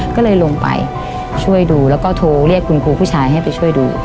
ก็เลยลงไปช่วยดูแล้วก็โทรเรียกคุณครูผู้ชายให้ไปช่วยดู